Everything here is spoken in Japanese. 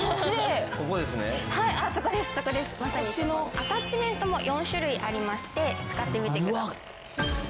アタッチメントも４種類ありまして使ってみてください。